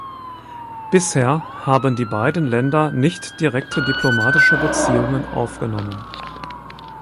Bisher haben die beiden Länder nicht direkte diplomatische Beziehungen aufgenommen.